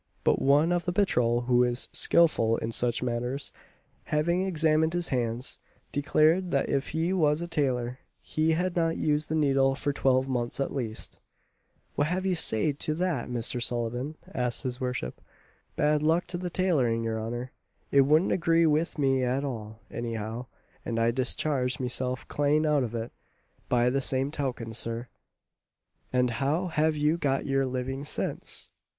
But one of the patrol, who is skilful in such matters, having examined his hands, declared, that if he was a tailor, he had not used the needle for twelve months at least. "What have you to say to that, Mr. Sullivan?" asked his worship. "Bad luck to the tailoring, your honour, it wouldn't agree with me at all, anyhow, and I discharged meself clane out of it, by the same token, Sir." "And how have you got your living since?"